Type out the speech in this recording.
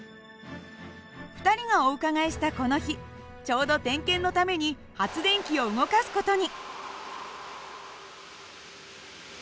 ２人がお伺いしたこの日ちょうど点検のために発電機を動かす事に。